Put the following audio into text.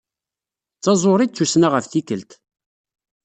D taẓuri, d tussna ɣef tikelt.